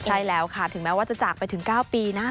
ใช่แล้วค่ะถึงแม้ว่าจะจากไปถึง๙ปีนะ